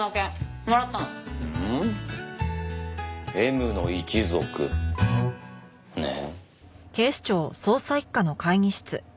『Ｍの一族』ねえ。